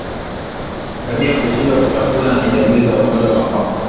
Ngamia kushindwa kutafuna ni dalili za ugonjwa wa mapafu